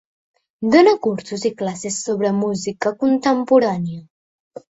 Dona cursos i classes sobre música contemporània.